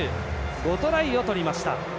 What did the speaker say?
５トライを取りました。